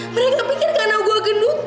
mereka pikir karena gue gendut